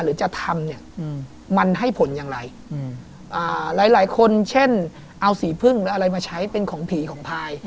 หรือจะทำเนี่ยมันให้ผลอย่างไรหลายคนเช่นศีรภึ่งมาใช้เป็นของผิของพาย